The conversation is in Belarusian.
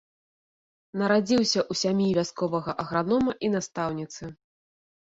Нарадзіўся ў сям'і вясковага агранома і настаўніцы.